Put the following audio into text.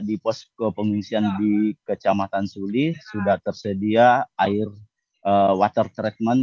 di pos kepengungsian di kecamatan suli sudah tersedia air water treatment